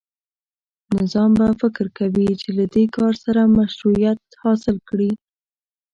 نظام به فکر کوي چې له دې کار سره مشروعیت حاصل کړي.